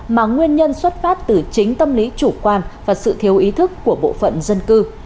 mà nguyên nhân xuất phát từ chính tâm lý chủ quan và sự thiếu ý thức của bộ phận dân cư